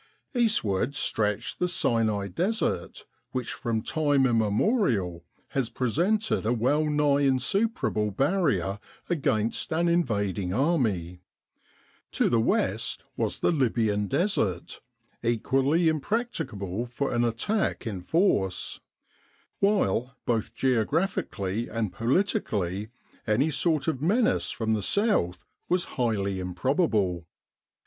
Eastward stretched the Sinai Desert, which from time immemorial has presented a well nigh in superable barrier against an invading army. To the 15 With the R.A.M.C. in Egypt west was the Libyan Desert, equally impracticable for an attack in force, while, both geographically and politically, any sort of menace from the south was highly improbable.